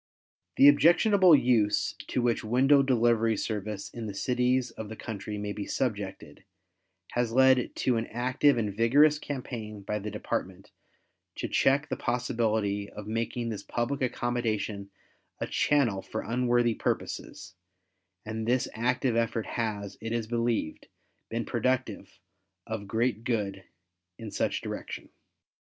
The objectionable use to which window delivery service in the cities of the country may be subjected, has led to an active and vigorous campaign by the Department to check the possibility of making this public accommodation a channel for unworthy purposes, and this active effort has, it is believed, been productive of great good in such direction.